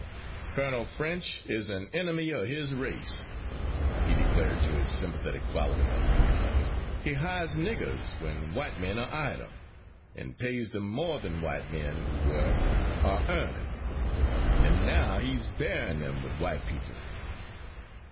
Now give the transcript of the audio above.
"Colonel French is an enemy of his race," he declared to his sympathetic following. "He hires niggers when white men are idle; and pays them more than white men who work are earning. And now he is burying them with white people."